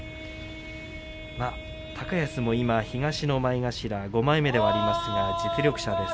高安も今東の前頭５枚目ではありますが実力者です。